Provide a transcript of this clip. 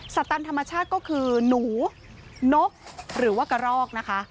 ตันธรรมชาติก็คือหนูนกหรือว่ากระรอกนะคะ